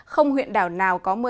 không huyện đảo nào có mưa